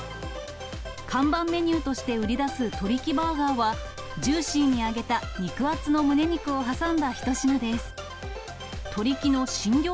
看板メニューとして売り出すトリキバーガーは、ジューシーに揚げた肉厚のむね肉を挟んだ一品です。